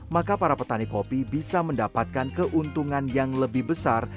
maka para petani kopi bisa mendapatkan keuntungan yang lebih besar